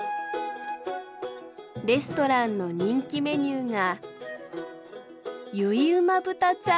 レストランの人気メニューが。